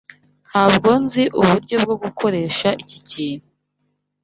Ntabwo nzi uburyo bwo gukoresha iki kintu.